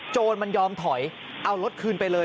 จนมันยอมถอยเอารถคืนไปเลย